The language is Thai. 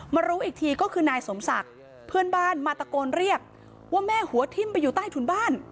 รู้อีกทีก็คือนายสมศักดิ์เพื่อนบ้านมาตะโกนเรียกว่าแม่หัวทิ้มไปอยู่ใต้ถุนบ้าน